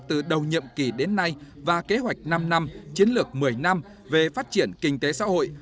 từ đầu nhiệm kỳ đến nay và kế hoạch năm năm chiến lược một mươi năm về phát triển kinh tế xã hội